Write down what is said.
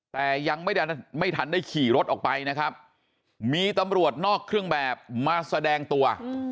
แต่ยังไม่ทันได้ขี่รถออกไปนะครับมีตำรวจนอกเครื่องแบบมาแสดงตัว